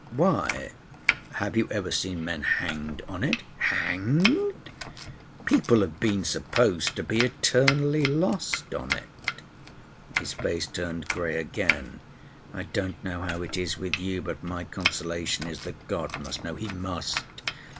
"Why? Have you ever seen men hanged on it?" "Hanged? People have been supposed to be eternally lost on it," his face turned grey again. "I don't know how it is with you, but my consolation is that God must know. He must!